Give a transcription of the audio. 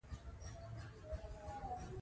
د محصل لپاره خوړنیز عادت مهم دی.